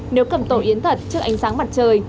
nếu cầm tổ yến thật trước ánh sáng mặt trời